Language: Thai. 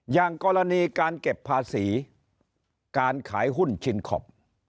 อย่างกรณีการเก็บภาษีการขายหุ้นชินคอป